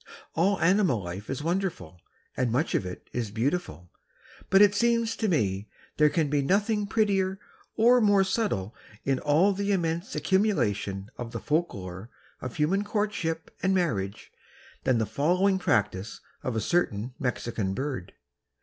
All animal life is wonderful and much of it is beautiful, but it seems to me there can be nothing prettier or more subtle in all the immense accumulation of the folk lore of human courtship and marriage than the following practice of a certain Mexican bird.